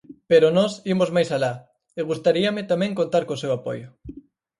Pero nós imos máis alá, e gustaríame tamén contar co seu apoio.